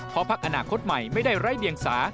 เพราะพักอนาคตใหม่ไม่ได้ไร้เดียงสา